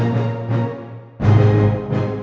ada juga merepar avt